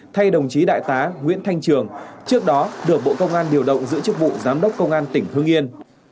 thay đồng chí đại tá nguyễn thanh trường trước đó được bộ công an điều động giữ chức vụ giám đốc công an tỉnh hương yên